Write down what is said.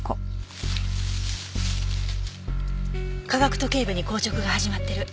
下顎と頸部に硬直が始まってる。